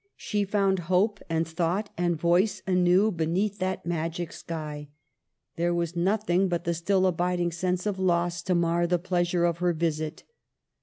She found hope and thought and, voice anew beneath that magic sky. There was nothing but the still abiding sense of loss to mar the pleasure of her visit.